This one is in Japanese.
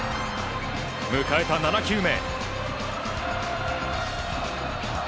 迎えた７球目。